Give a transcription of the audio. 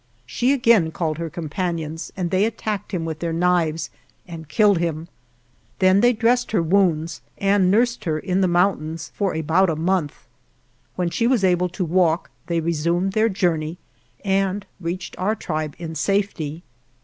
She again called her companions and they attacked him with their knives and killed him. Then they dressed her wounds and nursed her in the mountains for about a month. When she was again able to walk they resumed their journey and reached our tribe in safety.